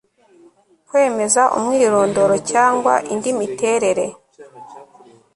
kwemeza umwirondoro cyangwa indi miterere